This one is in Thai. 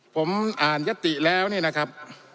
ผมอ่านยติแล้วเนี่ยนะครับ